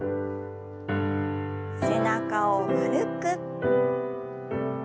背中を丸く。